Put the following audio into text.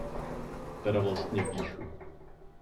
Teda vlastně píšu.